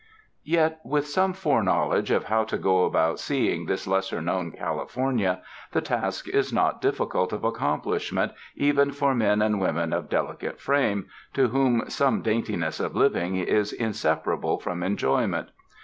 Yet with some foreknowledge of how to go about seeing this lesser known California, the task is not difficult of accomplishment even for men and women of delicate frame to whom some daintiness of living is inseparable from enjoyment.